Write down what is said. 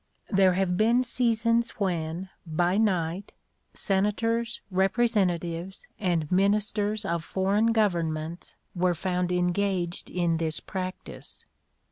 There have been seasons when, by night, Senators, Representatives, and Ministers of Foreign Governments were found engaged in this practice.